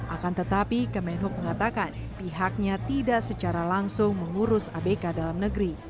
akan tetapi kemenhub mengatakan pihaknya tidak secara langsung mengundurkan